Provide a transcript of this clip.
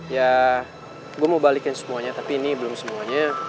ya gue mau balikin semuanya tapi ini belum semuanya